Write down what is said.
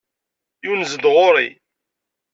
Yunez-d ɣur-i.